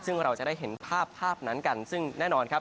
ซึ่งเราจะได้เห็นภาพภาพนั้นกันซึ่งแน่นอนครับ